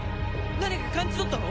何か感じ取ったの？